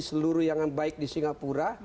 seluruh yang baik di singapura